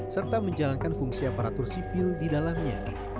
serta menjalankan fungsi aparatur sipil di dalamnya